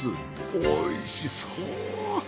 おいしそう！